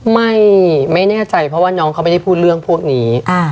ไม่แน่ใจเพราะว่าน้องเขาไม่ได้พูดเรื่องพวกนี้